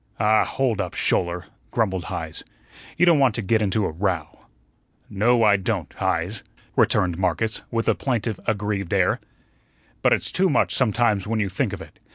"Ah, hold up, Schouler," grumbled Heise. "You don't want to get into a row." "No, I don't, Heise," returned Marcus, with a plaintive, aggrieved air. "But it's too much sometimes when you think of it.